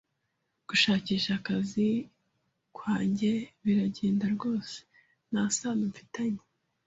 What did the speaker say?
Gushakisha akazi kwanjye biragenda rwose. Nta sano mfitanye.